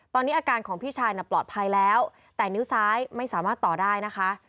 ตอนนี้อาการของพี่ชายน่ะปลอดภัยแล้วแต่นิ้วซ้ายไม่สามารถต่อได้นะคะ